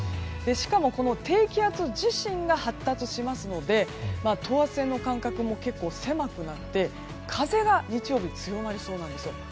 しかも、この低気圧自身が発達しますので等圧線の間隔も結構狭くなって風が日曜日強まりそうなんですよ。